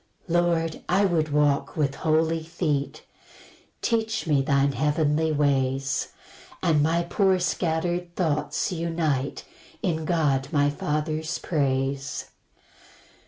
3 Lord, I would walk with holy feet; Teach me thine heavenly ways, And my poor scatter'd thoughts unite In God my Father's praise.